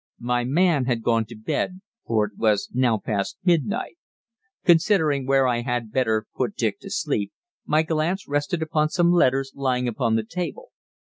My man had gone to bed, for it was now past midnight. Considering where I had better put Dick to sleep, my glance rested upon some letters lying on the table.